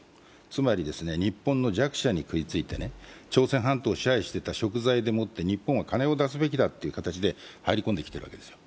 つまり日本の弱者に食いついて、朝鮮半島を支配していたしょく罪という形で日本は金を出すべきだという形で入り込んできているわけですよ。